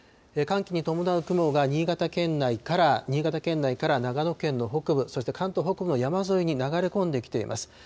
寒気に伴う雲が新潟県内から長野県の北部、そして関東北部の山沿いに流れ込んできています。